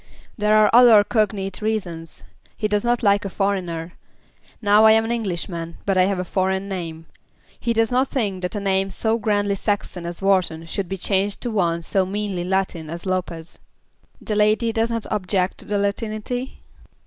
"There are other cognate reasons. He does not like a foreigner. Now I am an Englishman, but I have a foreign name. He does not think that a name so grandly Saxon as Wharton should be changed to one so meanly Latin as Lopez." "The lady does not object to the Latinity?"